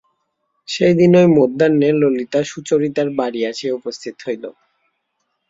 সেইদিনই মধ্যাহ্নে ললিতা সুচরিতার বাড়ি আসিয়া উপস্থিত হইল।